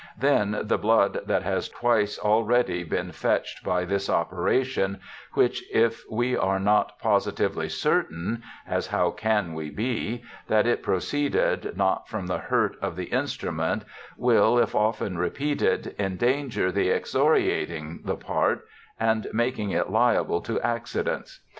Then the blood that has twice already bin fetched by this operation, which if we are not posi tively certaine (as how can we be) that it proceeded not from the hurt of the instrument will (if often repeted) endanger the excoriating the part and making it liable to accidents.